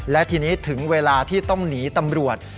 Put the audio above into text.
และทีนี้ถึงเวลาที่ต้องหนีตำรวจ